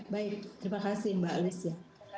baik terima kasih mbak alice ya